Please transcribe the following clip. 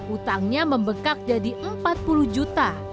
utangnya membekak jadi empat puluh juta